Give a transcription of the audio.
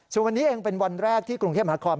ส่วนวันนี้เองเป็นวันแรกที่กรุงเทพมหาคอน